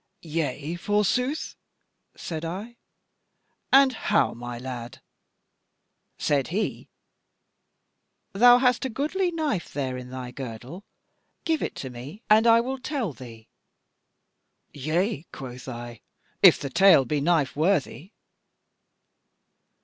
'Yea, forsooth?' said I, 'and how, my lad?' Said he: 'Thou hast a goodly knife there in thy girdle, give it to me, and I will tell thee.' 'Yea,' quoth I, 'if thy tale be knife worthy.'